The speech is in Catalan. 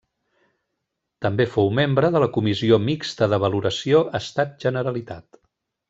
També fou membre de la Comissió Mixta de Valoració Estat-Generalitat.